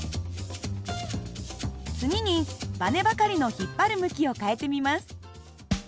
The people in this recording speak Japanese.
次にばねばかりの引っ張る向きを変えてみます。